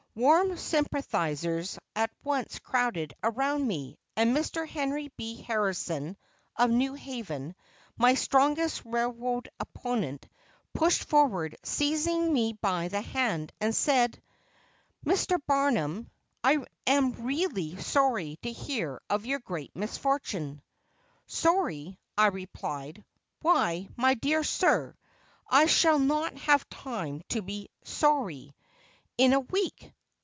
Warm sympathizers at once crowded around me, and Mr. Henry B. Harrison, of New Haven, my strongest railroad opponent, pushing forward, seized me by the hand, and said: "Mr. Barnum, I am really very sorry to hear of your great misfortune." "Sorry," I replied, "why, my dear sir, I shall not have time to be 'sorry' in a week!